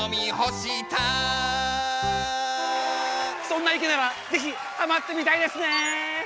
そんないけならぜひはまってみたいですね！